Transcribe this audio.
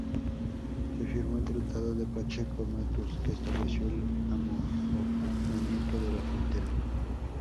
Se firmó el tratado Pacheco-Matus, que estableció el amojonamiento de la frontera.